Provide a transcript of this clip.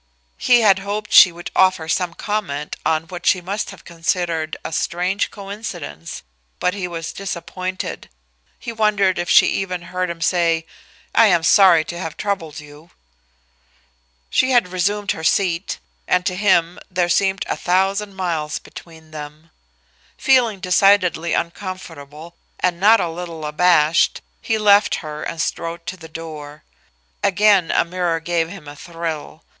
He had, hoped she would offer some comment on what she must have considered a strange coincidence, but he was disappointed. He wondered if she even heard him say: "I am sorry to have troubled you." She had resumed her seat, and, to him, there seemed a thousand miles between them. Feeling decidedly uncomfortable and not a little abashed, he left her and strode to the door. Again a mirror gave him a thrill.